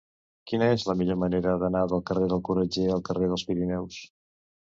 Quina és la millor manera d'anar del carrer de Corretger al carrer dels Pirineus?